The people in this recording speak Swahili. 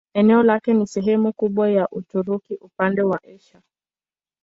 Eneo lake ni sehemu kubwa ya Uturuki upande wa Asia.